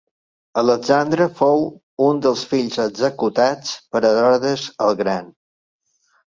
Alexandre fou un dels fills executats per Herodes el Gran.